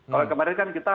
kalau kemarin kan kita